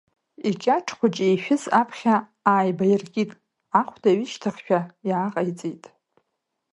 Икьаҿ хәыҷы ишәыз аԥхьа ааибаиркит, ахәда ҩышьҭыхшәа иааҟаиҵеит.